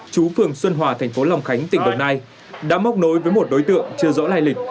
chú phường xuân hòa thành phố long khánh tỉnh đồng nai đã móc nối với một đối tượng chưa rõ lai lịch